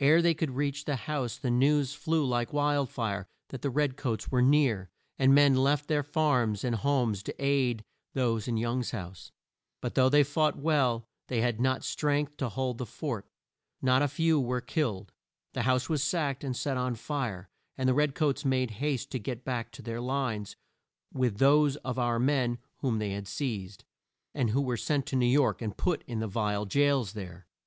Ere they could reach the house, the news flew like wild fire that the red coats were near, and men left their farms and homes to aid those in Young's house. But though they fought well, they had not strength to hold the fort. Not a few were killed. The house was sacked and set on fire, and the red coats made haste to get back to their lines with those of our men whom they had seized, and who were sent to New York and put in the vile jails there.